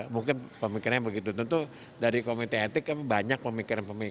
mungkin pemikirannya begitu tentu dari komite etik banyak pemikiran pemikiran